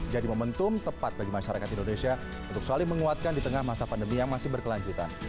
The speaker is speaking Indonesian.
jadi momentum tepat bagi masyarakat indonesia untuk saling menguatkan di tengah masa pandemi yang masih berkelanjutan